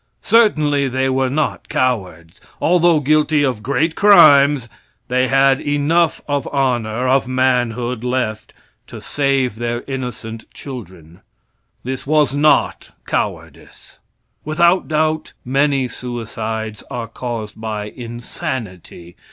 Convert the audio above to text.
Certainly they were not cowards. Although guilty of great crimes, they had enough of honor, of manhood, left to save their innocent children. This was not cowardice. Without doubt many suicides are caused by insanity.